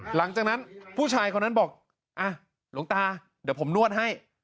หลังจากนั้นผู้ชายคนนั้นบอกอ่ะหลวงตาเดี๋ยวผมนวดให้